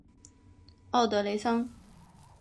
奥德雷桑。